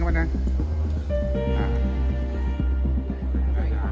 สวัสดีทุกคน